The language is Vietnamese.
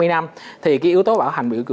ba mươi năm thì cái yếu tố bảo hành